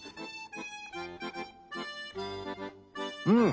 うん！